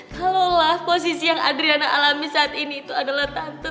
kalaulah posisi yang adriana alami saat ini itu adalah tante